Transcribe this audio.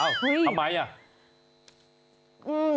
เอ้าทำไมคะ